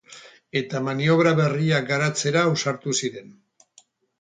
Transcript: Eta maniobra berriak garatzera ausartu ziren.